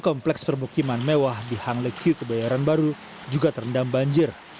kompleks permukiman mewah di hang lekyu kebayoran baru juga terendam banjir